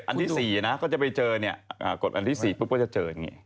อันที่๔ก็จะไปเจอกดอันที่๔ปุ๊บก็จะเจอ